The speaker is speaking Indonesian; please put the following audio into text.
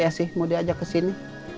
kapan c s i mau diajak kesini